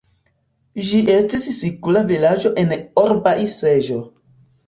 Ĝi estis sikula vilaĝo en Orbai-seĝo.